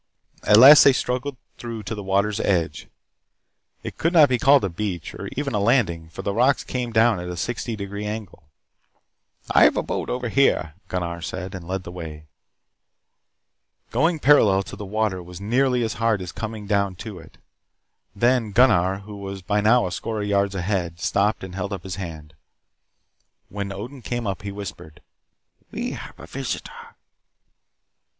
At last they struggled through to the water's edge. It could not be called a beach, or even a landing, for the rocks came down at a sixty degree angle. "I have a boat over here," Gunnar said, and led the way. Going parallel to the water was nearly as hard as coming down to it. Then Gunnar, who by now was a score of yards ahead, stopped and held up his hand. When Odin came up he whispered, "We have a visitor."